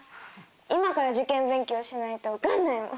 今から受験勉強しないと受かんないもん。